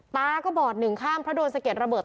ตาก็บอดหนึ่งข้างเพราะโดนสะเก็ดระเบิด